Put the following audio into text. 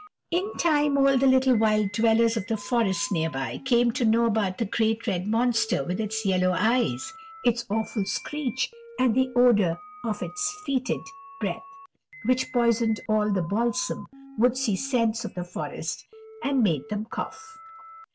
In time, all the little wild dwellers of the forest near by came to know about the great red monster with its yellow eyes, its awful screech, and the odor of its fetid breath, which poisoned all the balsam, woodsy scents of the forest, and made them cough.